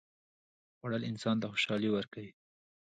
خوړل انسان ته خوشالي ورکوي